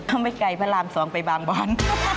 ไม่ไกลพระรามสองไปบางบอน